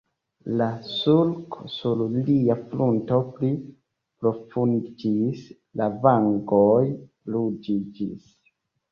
La sulko sur lia frunto pli profundiĝis, la vangoj ruĝiĝis.